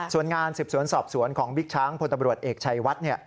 ส่วนงานสืบสวนสอบสวนของบิ๊กช้างพลตำรวจเอกชัยวัด